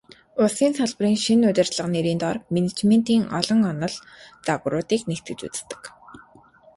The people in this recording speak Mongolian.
Улсын салбарын шинэ удирдлага нэрийн доор менежментийн олон онол, загваруудыг нэгтгэж үздэг.